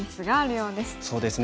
そうですね。